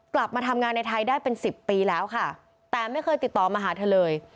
กลับมาทำงานในไทยได้เป็นสิบปีแล้วค่ะแต่ไม่เคยติดต่อมาหาเธอเลย